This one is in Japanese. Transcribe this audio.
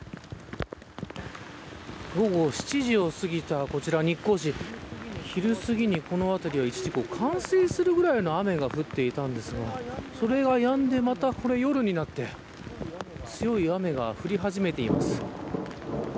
午後７時を過ぎたこちら、日光市昼すぎに、この辺りは一時、冠水するくらいの雨が降っていたんですがそれがやんで、また夜になって強い雨が降り始めています。